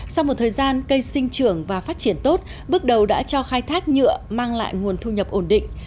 sau một thời gian cây sinh trưởng và phát triển tốt bước đầu đã cho khai thác nhựa mang lại nguồn thu nhập ổn định